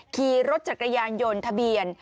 ขี่รถจักรยานยนต์ทะเบียน